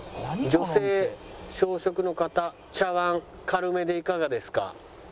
「女性・小食の方ちゃわん軽めでいかがですか？」